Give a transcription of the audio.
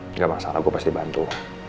enggak masalah gue pasti bantu